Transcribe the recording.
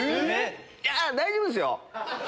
いや大丈夫ですよ。